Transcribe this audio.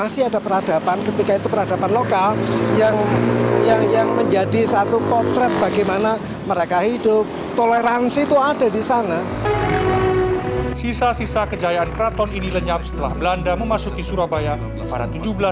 sisa sisa kejayaan keraton ini lenyap setelah belanda memasuki surabaya pada seribu tujuh ratus dua puluh